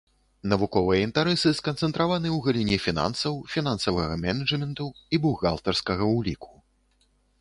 Навуковыя інтарэсы сканцэнтраваны ў галіне фінансаў, фінансавага менеджменту і бухгалтарскага ўліку.